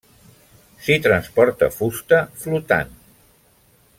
S'hi transporta fusta flotant.